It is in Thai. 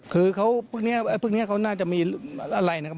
คือพรุ่งนี้เขาน่าจะมีอะไรนะครับ